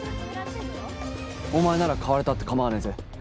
お前なら買われたって構わねえぜ。